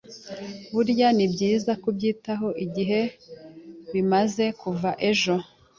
burya ni byiza kubyitaho igihe bimaze kuva ejo